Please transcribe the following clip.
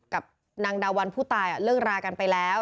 กับนางดาวันผู้ตายเลิกรากันไปแล้ว